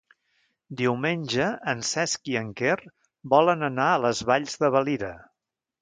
Diumenge en Cesc i en Quer volen anar a les Valls de Valira.